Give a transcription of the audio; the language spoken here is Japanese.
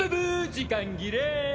時間切れ！